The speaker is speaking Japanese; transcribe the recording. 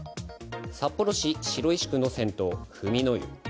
札幌市白石区の銭湯、富美の湯。